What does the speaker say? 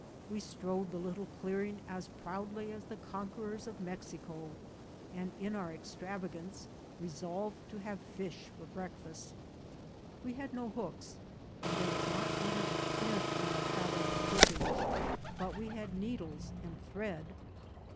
We strode the little clearing as proudly as the conquerors of Mexico, and in our extravagance resolved to have a fish for break fast. We had no hooks, and there was not even a pin in our travelling equipage ; but we had needles and thread.